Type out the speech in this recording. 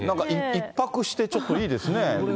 １泊して、ちょっといいですね。